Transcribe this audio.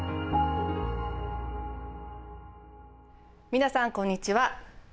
皆さんこんにちは。